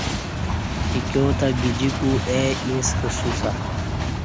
ایکیوتہ گجی کو اے ایݩستہ سوسہ